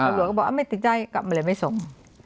ตำรวจก็บอกไม่ติดใจกลับมาเลยไม่ส่ง